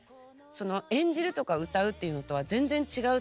その演じるとか歌うっていうのとは全然違う。